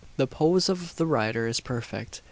The pose of the rider is perfect.